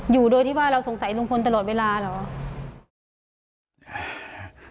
อยู่โดยที่ว่าเราสงสัยลุงพลตลอดเวลาเหรอ